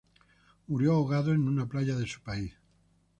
Murió ahogado en una playa de su país.